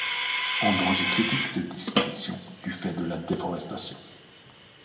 En danger critique de disparition du fait de la déforestation.